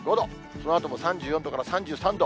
そのあとも３４度から３３度。